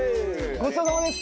ごちそうさまです